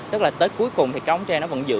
tức là tới cuối cùng thì cái ống tre nó vẫn giữ